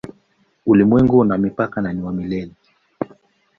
Ulimwengu hauna mipaka na ni wa milele.